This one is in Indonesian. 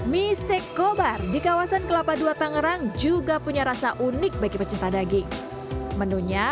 mie steak kobar di kawasan kelapa dua tangerang juga punya rasa unik bagi pecinta daging menunya